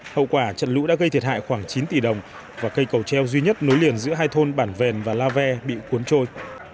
hậu quả trận lũ đã gây thiệt hại khoảng chín tỷ đồng và cây cầu treo duy nhất nối liền giữa hai thôn bản vèn và la ve bị cuốn trôi